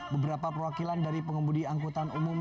beberapa perwakilan dari pengemudi angkutan umum